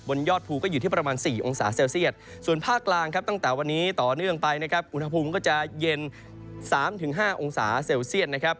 ยอดภูก็อยู่ที่ประมาณ๔องศาเซลเซียตส่วนภาคกลางครับตั้งแต่วันนี้ต่อเนื่องไปนะครับอุณหภูมิก็จะเย็น๓๕องศาเซลเซียตนะครับ